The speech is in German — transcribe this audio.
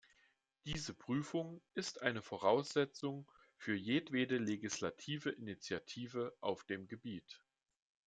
Diese Prüfung ist eine Voraussetzung für jedwede legislative Initiative auf dem Gebiet.